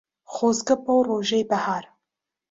خۆزگە بەو ڕۆژەی بەهار